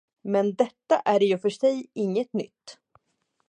Men detta är i och för sig inget nytt.